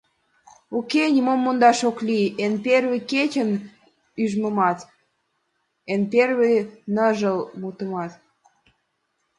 Уке, нимом мондаш ок лий: Эн первый кечын ӱжмымат, Эн первый ныжыл мутымат…